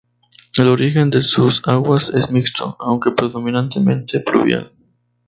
El origen de sus aguas es mixto, aunque predominantemente pluvial.